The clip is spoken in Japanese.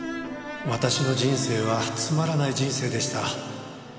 「私の人生はつまらない人生でした」